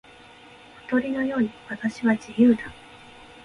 小鳥のように私は自由だ。